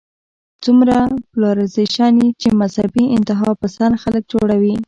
څومره پولرايزېشن چې مذهبي انتها پسند خلک جوړوي